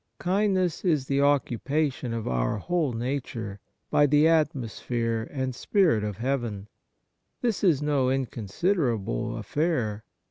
Kindness is the occupation of our 54 Kindness whole nature by the atmosphere and spirit of heaven. This is no inconsiderable affair.